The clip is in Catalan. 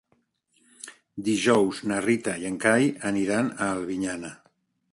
Dijous na Rita i en Cai aniran a Albinyana.